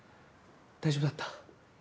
大丈夫だった？